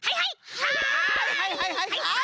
はいはいはいはい！